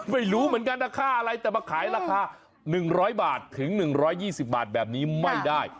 ไม่รู้เหมือนกันนะค่าอะไรแต่มาขายราคา๑๐๐บาทถึง๑๒๐บาทแบบนี้ไม่ได้